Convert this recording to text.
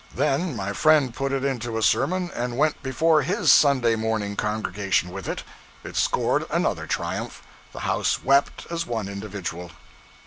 Then my friend put it into a sermon and went before his Sunday morning congregation with it. It scored another triumph. The house wept as one individual.